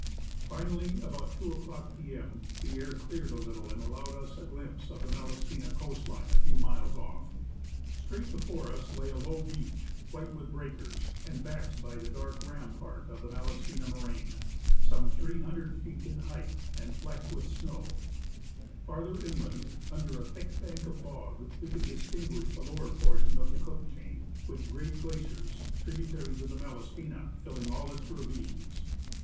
Finally, about 2 o'clock p.m., the air cleared a little and allowed us a glimpse of the Malaspina coast line a few miles off. Straight before us lay a low 65 F THE ASCENT OF MOUNT ST. ELIAS beach, white with breakers, and backed by the dark rampart of the Malaspina moraine, some 300 feet in height and flecked with snow. Farther inland, under a thick bank of fog, we could distinguish the lower portion of the Cook chain, with great glaciers, tributaries of the Malaspina, filling all its ravines.